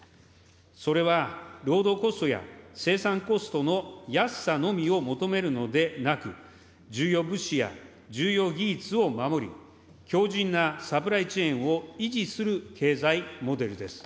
それは労働コストや生産コストの安さのみを求めるのでなく、重要物資や重要技術を守り、強じんなサプライチェーンを維持する経済モデルです。